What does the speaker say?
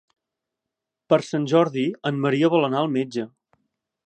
Per Sant Jordi en Maria vol anar al metge.